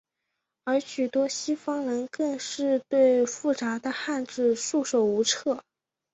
而许多西方人更是对复杂的汉字束手无策。